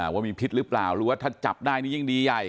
ว่ามีพิษหรือเปล่าหรือว่าถ้าจับได้นี่ยิ่งดีใหญ่